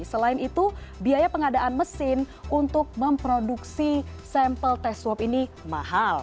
selain itu biaya pengadaan mesin untuk memproduksi sampel tes swab ini mahal